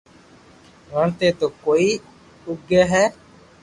وڻ تي تو ڪوئي اوگي ھي